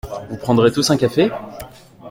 Vous prendrez tous un café ?